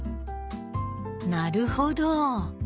なるほど。